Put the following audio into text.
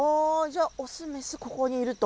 オスとメスがここにいると。